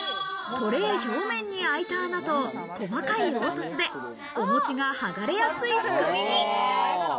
トレー表面に空いた穴と細かい凹凸で、お餅がはがれやすい仕組みに。